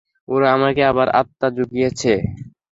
ওরা আমাকে আবার আস্থা জুগিয়েছে।